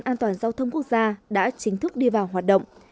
an toàn giao thông quốc gia đã chính thức đi vào hoạt động